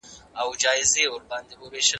له طبیعت سره جګړه مه کوئ.